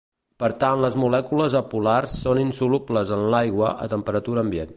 Per tant les molècules apolars són insolubles en l'aigua a temperatura ambient.